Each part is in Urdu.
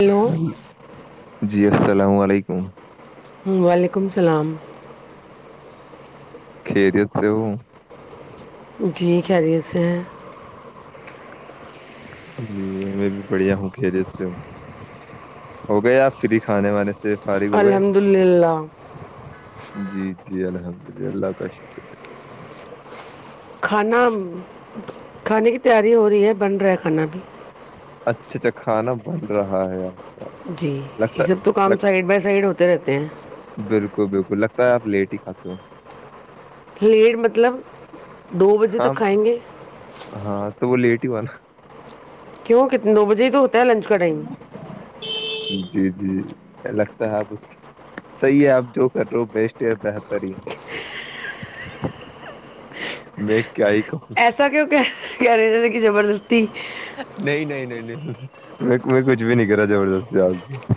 ہیلو جی [unintelligible] السلام علیکم وعلیکم السلام خیریت سے ہو جی خیریت سے ہے جی میں بھی بڑھیا ہوں خیریت سے ہوں ہو گیا آپ فری کھانے والانے سے فارغ ہو گئے الحمد للہ جی جی الحمد للہ اللہ کا شکرہ کھانا کھانے کی تیاری ہو رہی ہے بن رہا ہے کھانا بھی اچھا اچھا کھانا بن رہا ہے یار جی یہ سب تو کام سائڈ بائی سائڈ ہوتے رہتے ہیں بالکل بالکل لگتا آپ لیٹ ہی کھاتے ہو لیٹ مطلب دو بجے ہاں تک کھائیں گے ہاں تو وہ لیٹ ہی ہوا نا کیوں کتنے دو بجے تو ہو لنچ کا ٹائم جی جی لگتا ہے آپ اس صحیح ہے آپ جو کر رہے ہو بیسٹ بہتر ہی کہوں ایسا کیوں کیا کہرہے ہوک زبردستی نہیں نہیں نہیں نہیں میں میں کچھ بھی نہیں کرا زبردست ج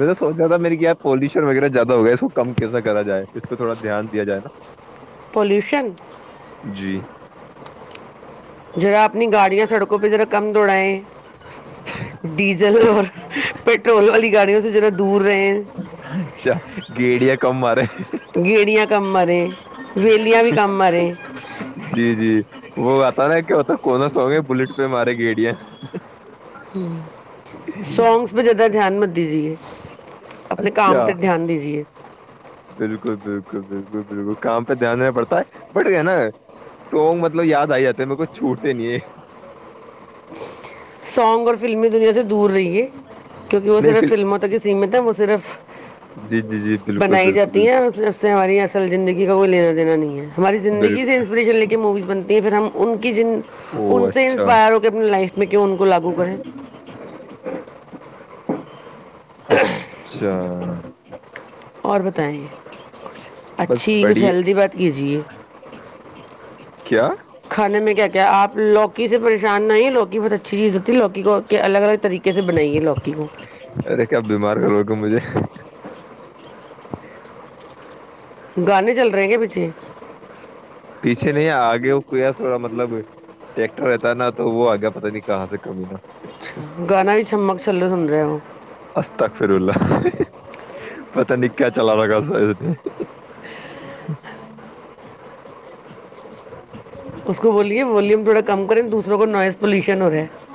میں نے سونچا رہا تھا میرے کیا پالیشن وغیرہ زیادہ ہو گا اس کو کم کیسے کرا جائے اس پہ تھوڑا دھیان دیا جائے نا پولوشن جی ذرا اپنی گاڑیاں سڑکوں پہ ذرا کم دوڑائیں ڈیزل اور پٹرول والی گاڑیوں جرا دور بری اچھا گیڑیاں کم مار رہے ہیں گیڑیا کم مرے ولیا بھی کم مرے جی جی وہ آتا نا کیا ہوتا کونا سو گے بلیٹ پہ مارے گیڑیا سونگس پہ زیادہ دھیان مت دیجیے اپنے کام اچھا پہ دھیان دیجیے بالکل بالکل بالکل بالکل کام پہ دھیان دینا پڑتا ہے بٹ نا سونگ مطلب یاد آ جاتے ہے میر کو چھوٹتے نہیں ہے سانگ اور فلمی دنیا سے دور رہیے کیونکہ وہ نہیں پھر صرف فلموں تک ہی سیمت ہے وہ صرف جی جی جی بالکل بنائی بالکل جاتی بالکل اسب سے ہماری اصل زندگی وہ لینا دینا نہیں ہے ہماری زندگی سے بالکل انسپریشن لے کے موویز بنتی ہیں پھر ہم ان کی او ان سے اچھا انسپائر ہو کے اپنی لائف میں کو لاگو کریں [inaudible] اچھ اچھا اور بتائیںچ بس اچھی کچھ بڑی ہیلدی بات کیجے کیا کھانے میں کیا کیا آپ لوکی سے پریشان نہ ہی لوکی بہت اچھی چیز ہوتی ہے لوکی کو الگ الگ طریقے سے بنائیے لوکی کو کب بیمار کرو گ مجھے گان نہیں چل رہے ہیں گ پچے پیچھے نہیں آگے وہ گ تھوڑا مطلب ٹیکٹر رہتا ہے نا تو وہ آگیا پت نہیں کہاں سے کمی نا اچھا گانا بھی چھمک چھلو سن رہے ہو استاکفر اللہ پتا نہیں کیا چلا رہا گا اس کو بولیے ویوم تھوڑا [inaudible] کم کریں دوسروں کو نوائز پولیوشن ہو رہا ہے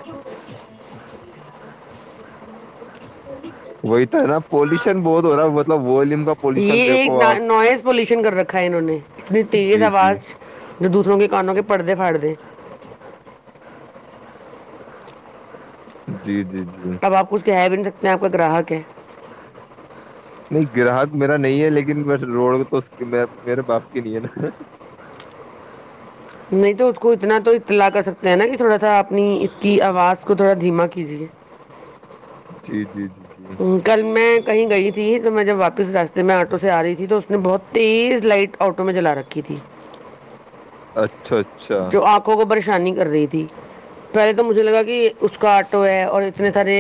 وہی تو ہے نا پولوشن بہت ہو رہا مطلب ووم یہ ایک نوائز پولوشن کر رکھا ہے انہوں نے اتنی تیز جی جی آواز جو دوسروں کے کانوں کے پرڑدے پھاڑ دے [inaudible] جی جی جی تب نہیں آپ ک اس کہ ہے بھی نہیں سک انے آپ کا گراہک ہے نہیں گراہک میرا نہیں ہے لیکن بس روڑ تو میرے باپ کی نہیں ہے نا نہیں تو اس کو اتنا تو اطلاع کر سکتے ہیں نا تھوڑا سا اپنی اس کی آواز کو تھوڑا دھیما کیا کیزیے جی جی جی جی کل میں کہیں گئی تھی تو میں جب آپس راستے میں آٹو سے آ رہی تھی تو اس نے بہت تیز لائٹ آٹو میں جلا رکھی تھی اچھا اچھا اچھا جو آنکھوں کو پریشانی کر رہی تھی پہلے تو مجھے لگا کہ اس کا آٹو ہے اور اتنے سارے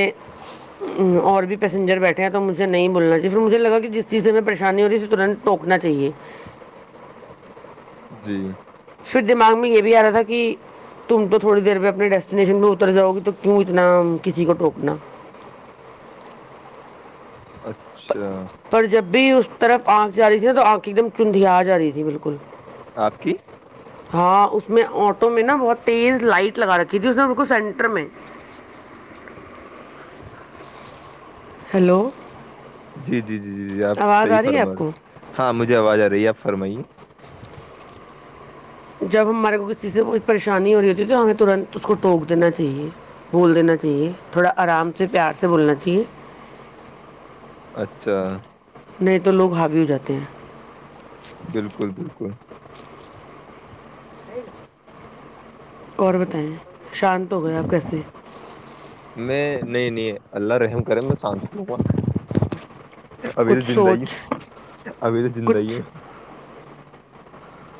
اور بھی پیسینجر بیٹھے ہیں تو مجھے نہیں بولنا چاہیے پ مجھے لگا کہ جس چیز سے پریشانی ہو رہی تنت ٹوکنا چاہیے جی [inaudible] پھر دماغ میں یہ بھی آ رہا تھا کہ تم تو تھوڑی دیر میں اپنے ڈیسٹینیشن پہ اتر جاؤ گی تو کیوں اتنا کسی کو ٹوکنا اچھا پر جب بھی اس طرف آنکھ جا رہی تھی ن تو آنکھ ایک دم چندھییا جا رہی تھی بالکل آپ کی ہاں اس میں آٹو میں نا بہت تیز لائٹ لگا رکھی تھی اس نے بالک سینٹر میں ہیلو جی جی جی جی جی آپ آواز صحیح آ رہی ہے فرما آپ کو ہاں مجھے آواز آ رہی ہے آپ فرمائیے جب ہمارے کو کسی سے کوئی پریشانی ہو رہی ہے کیونکہ ہمیں تھوڑا اس کو ٹوک دینا چاہیے بول دینا چاہیے تھوڑا ارام سے پیار سے بولنا چاہیے اچھا نہیں تو لوگ حاوی ہو جاتے ہیں بالکل بالکل نہیںئیل اور بتائیں شانت ہو گئے آپ کیسے میں نہیں نہیں اللہ رحم کرے میں شانتی ہوں ابھی تو کچھ زندہ ہی سوچ ہو ابھی تو زندہ ہی ہو کچھ بو [unintelligible]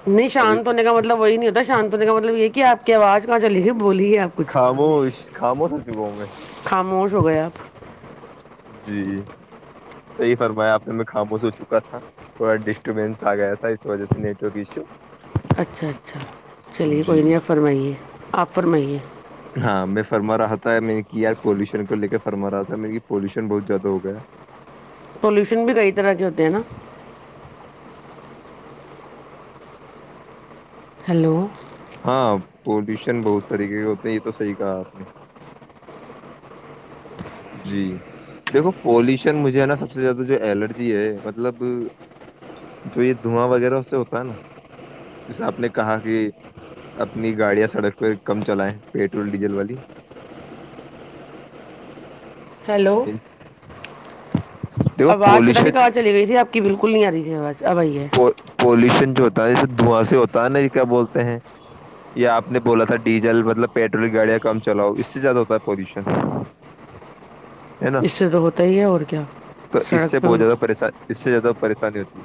نہیں شانت ہونے کا مطلب وہی نہیں ہوتا شانت ہونے کا مطلب یہ کہ آپ کیا آواز کہاں چ رہ تی خاموش خاموش ہو چکا ہوں میں خاموش ہو گئے آپ جی صحیح فرمایا آپ نے میں خاموش ہو چکا تھا تھوڑا ڈسٹربینس آ گیا تھا اس وجہ سے نیٹورک ایشو اچھا اچھا چلیے جی کوئی نہیں آ فرمائیے آ فرمائیے ہاں میں فرما رہا تھا میں نے کہ یار پولوشن کو لے کے فرما رہا تھا م پولوشن بہت زیادہ ہو گیا ہے پولوشن بھی کئی طرح کے ہوتے ہیں نا ہلو نہیں یہ تو صحیح کہا آپ نے جی دیکھو پالوشن مجھے ہے نا سب سے زیادہ جو الرجی ہے مطلب جو یہ دھواں وغیرہ اس سے ہوتا ہے نا جیسے آپ نے کہا کہ اپنی گاڑیاں سڑک پہ کم چلائیں پیٹرول ڈیزل والی ہیلو دیکھو آواز پتہ پولوشن نہیں کہاں چلی گئی تھی آپ کی بالکل کھل آ رہی ہو ہے پولوشن جو ہوتا ہے جسے دھواں سے ہوتا نہیں کیا بولتے ہیں یا آپ نے بولا تھا ڈیزل مطلب پیٹرول گاڑیاں کم چلاؤ اس سے زیادہ ہوتا ہے پالوشن اس سے تو ہوتا ہی ہے اور کیا تو اس سے سڑک پہ بہت زیادہ پریشان اس سے زیادہ پریشانی ہوتی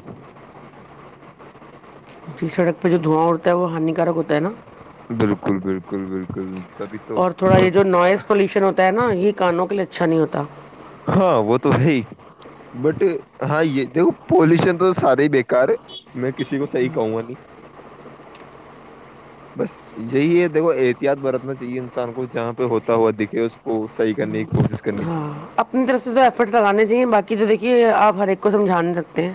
جی سڑک پہ جو دھواں ہوڑتا ہے وہ ہانیکارک ہوتا ہے نا ہے بالکل بالکل بالکل تبھی تو اور تھوڑا یہ جو نوائز پولوشن ہوتا ہے نا یہ کانوں کے لیے شن ہوتا ہاں وہ تو بائی بٹ ہاں یہ د پولوشن تو سارے بےیکار ہے میں کسی کو صحیح کہوں گا نہیں بس یہی ہے دیکھو احتیاط برتنا چاہیے انسان کو جہاں پہ ہوتا ہوا دکھے اس کو صحیح کرنے کی کوشش کرنی ہاں چاہیے اپنی طرف سے تو ایفرٹس لگانے چاہیے باقی جو دیکھیے آپ ہر ایک کو سمجھا نہیں سکتے ہیں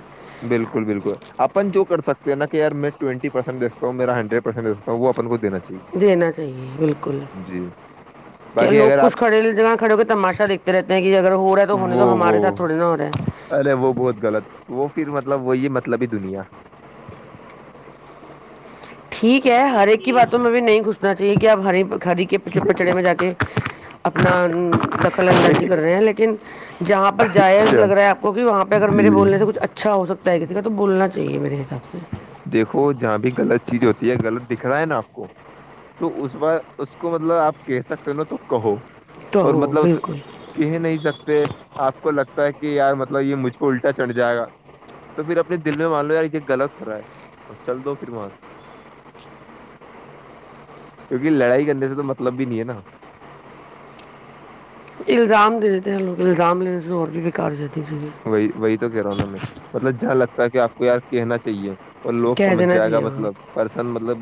بالکل بالکل اپن جو کر سکتے ہیں نا کہیار میں ٹوینٹی پرسینٹ دھتا ہوں میرا ہنڈریڈ پرسینٹ دھتا ہوں وہ اپن کو دینااہ دینا چاہیے بالکل کیا باقی لوگ اگر آپ کچھ کھڑے جگہ کھڑے ہو کے تماشا دیکھتے رہتے ہیں کہ اگر ہو رہا ہے تو ہونے وہ تو ہمارے ساتھ وہ تھوڑے نہا ہو رہا ہے ارے وہ بہت غلط وہ پھر مطلب وہی مطلب ہی دنیا ٹھیک ہے ہر ایک کی باتوں میں بھی نہیں گھسنا چاہیے کہ آپ ہری ہری کے پ پچھڑے میں جا کے اپنا دخل اندازی کر رہے ہیں لیکن جہاں پر جائز اچھا لگ رہا ہے آپ کو کہ وہاں پہ اگر میرے جی بولنے سے کچھ اچھا ہو سکتا ہے کسی کا تو بولنا چاہیے میرے حساب سے دیکھو جہاں بھی غلط چیز ہوتی ہے غلط دکھ رہا ہے نا آپ کو تو اس بار اس کو مطلب آپ کہہ سکتے نا تو کہو تو اور ہو مطلب بالکل کہ نہیں سکتے پ آپ کو لگتا ہے کہ یار مطلب یہ مجھ پ الٹا چڑھ جائے گا تو پھر اپنے دل میں مان لوم یار یہ غلط فر رہا ہے اور چل دو پھر وہاںس کیونکہ لڑائی کے اندر سے تو مطلب بھی نہیں ہے نا الزام دے دیتے ہیں لوگ الزام لینے سے اور بھی بکار جتے ہیں دی جے رہووں میں مطلب جہاں لگتا ہے کہ آپ کو یار کہنا چاہیے اور لوگ کہہ سمجھ دینا جائے گا چاہیے مطلب وہاں پرسن مطلب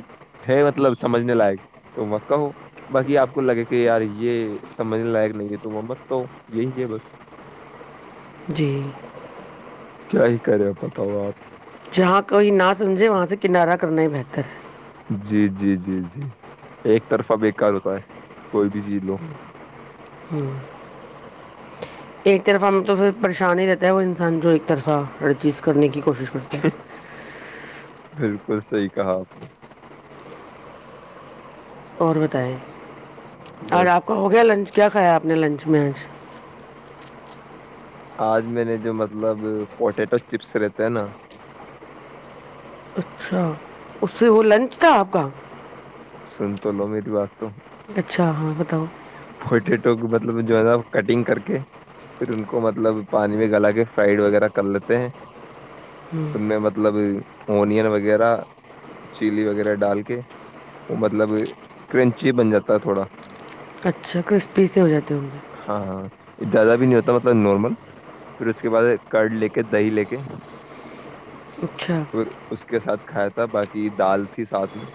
ہے مطلب سمجھنے لائق تو وہ کہو باقی آپ کو لگے کہ یار یہ سمجھنے لائق نہیں ہے تو وہ مت کہو یہی ہے بس جی کیا ہی کرے بتاؤ آپ جہاں کوئی نہ سمجھے وہاں سے کناراہ کرنا ہی بہتر ہے جی جی جی جی ایک طرفہ بےیکار ہوتا ہے کوئی بھی چی لو ایک طرفہ ہم تو پھر پریشان ہی رہتا ہے وہ انسان جو ایک طرفہ ر چیز کرنے کی کوشش کرتا ہے بالکل صی کہا آپ نے اور بتیں آج بس آپ کا ہو گیا لنچ کیا کھایا آپ نے لنچ میںج آج میں نے جو مطلب پوٹیٹو چپس رہتے ہیں نا اچھا اس سے وہ لنچ تھا آپ کا سن تو لو میری بات تو ا بتاؤ پوٹیٹو مطلب جو ہے نا کٹنگ کر کے پھر ان کو مطلب پانی میں گلا کے فرائڈ وغیرہ کر لیتے ہیں ان میں مطلب اونیئن و وغیرہ چلی وغیرہ ڈال کے وہ مطلب کرنچی بن جاتا ہے تھوڑا اچھا کرسپی سے ہو جاتے ہوں گے ہاں ہاں زیادہ بھی نہیں ہوتا مطلب نارمل پھر اس کے بعد کرڈ لے کے دہی لے کے اچھا اور اس کے ساتھ کھایا تھا باقی دال تھی ساتھ میں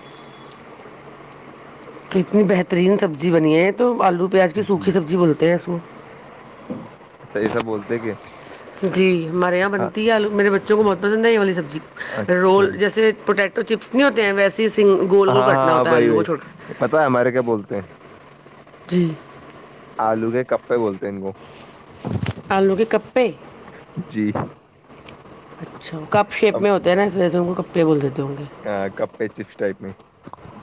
کتنی بہترین سبزی بنی ہے تو آلو پیاز کی جی سوکھی سبزی بولتے ہیں اس کو [unintelligible] اچھا یہ سب بولتے کہ [unintelligible] جی ہمارے یہاں ہاں بنتی ہے آلو میرے بچوں کو مت [unintelligible] پسند نہیں ہی ہوولی سب [unintelligible] اچھا رول جیسے پوٹیٹو چپس نہیں ہوتے ہیں ویسے ہین گول گول ہاں کٹنا ہاں ہوتا ہے وہی آلو کو چھوٹا وہی پتا ہے ہمارے کیا بولتے ہیں جی کو بولتا ہیں ان گو [unintelligible] آلو کے گپے جی [unintelligible] اچھا کب شیپ میں ہوتے ہیں نا اس و کپے بولتے [unintelligible] ہ کپے چپس [unintelligible] ٹائپ میں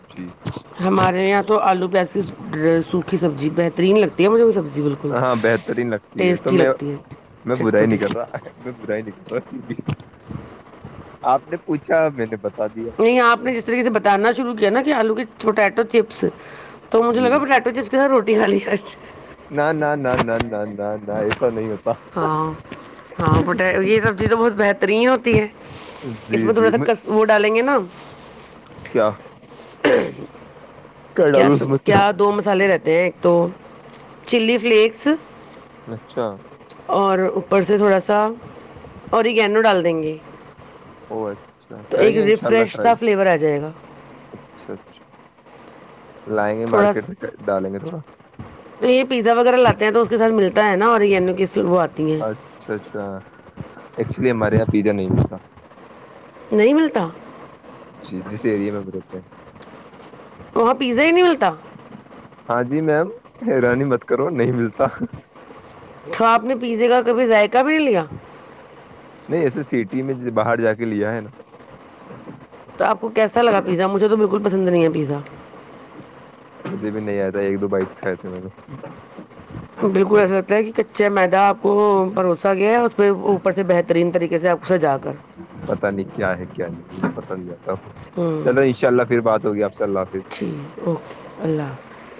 جی [unintelligible] ہمارے یہاں تو آلو پسی سوکھی سبزی بہترین لگتی ہے مجھے وہ سبزی بالکل ہ ہاں بہترین لگتی ہے تو ٹیسٹی میں لگتی ہے میں برا ہی چٹپٹی نہیں سی کر رہا برا ہی نہیں کر رہا آپ نے پوچھا میں نے بتا [unintelligible] نہیں آپ نے جس طریقے سے بتانا شروع کیا نا آلو کے ٹوٹیٹو چپس [unintelligible] تو مجھے جی لگا بٹو چپتے تھا روٹی دوالی خچ [unintelligible] نہ نہ نہ نہ نہ نہ نہ ایسا نہیں ہوتا ہاں ہاں پ یہ سبزی تو بہت بہتر [unintelligible] ترین ہوتی ہے [unintelligible] اس جی میں تھوڑا جی سا ک وہ ڈالیں گے نا [inaudible] کیا ہ [inaudible] کیا ڈالو اس میں کیا دو مسالے رہتے د ایک تو چلی فلیکس اچھا اور اوپر سے تھوڑا سا اوری کیینو ڈال دیں گے او اچھا تو کریں ایک گے انشاءلہ ریفریش سا ٹرائی فلیور آ جائے گا اچھا اچھا لائیں گے مارکیٹ تھوڑا سے ڈالیں گے تھوڑا تو یہ پیزا وغیرہ لاتے ہیں تو اس کے ساتھ ملتا ہے نا اور یہو اچھا اچھا ایکچولی ہماری پی ج نہیں متا [unintelligible] نہیں ملتا جی جس ایریے میں برتے ہیں وہاں پیزا ہی نہیں ملتا ہاں جی میم حیرانی مت کرو نہیں ملتا تو آپ نے پیزے کا کبھی ذائقہ بھی نہیں لیا نہیں ایسے سٹی میں باہر جا کے لیا ہے نا تو آپ کو کیسا لگا پیزا مجھے تو بالکل پسند نہیں ہے پزا مجھے بھی نہیں آتا ہے ایک دو بائک سے آ بالکل ایسا لگتا ہے کہ ک چ میداپ کو پروسا گیا ہے اس پہ اوپر سے بہترین طریقے سے آپ س جا کر پتا نہیں کیا ہے کیا نہیں مجھے پسند نہیں آتا ہ چلو ان شاء اللہ پھر بات ہوگی آپ سے اللہ حافظ ٹھیک اوکے اللہ حافظ